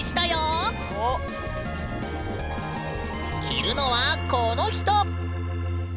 着るのはこの人！